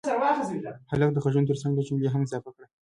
هلکه د غږونو ترڅنګ لږ جملې هم اضافه کړه.